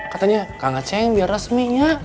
katanya kang ngeceng biar resminya